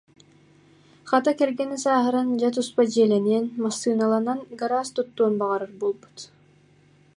Хата кэргэнэ сааһыран, дьэ туспа дьиэлэниэн, массыыналанан, гараас туттуон баҕарар буолбут